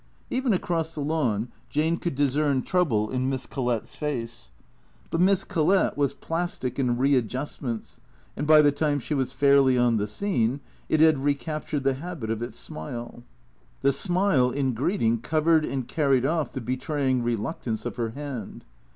Even across the lawn Jane could discern trouble in Miss Collett's face. But Miss Collett's face was plastic in readjust ments, and by the time she was fairly on the scene it had recap tured the habit of its smile. The smile, in greeting, covered and carried off the betraying reluctance of her hand.